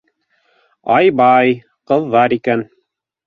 — Ай-бай, ҡыҙҙар икән.